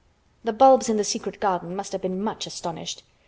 The bulbs in the secret garden must have been much astonished.